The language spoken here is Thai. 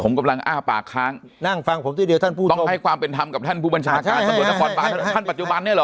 ผมกำลังอ้าปากค้างต้องให้ความเป็นธรรมกับท่านผู้บัญชาการสำรวจปลอดภัยท่านปัจจุบันนี้หรอ